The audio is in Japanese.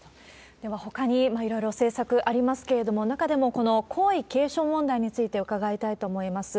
ではほかにいろいろ政策ありますけれども、中でもこの皇位継承問題について伺いたいと思います。